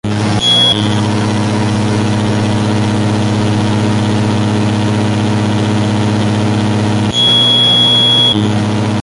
Estudió en la Seton Hall University, donde se licenció en Historia.